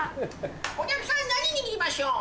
お客さん何握りましょう？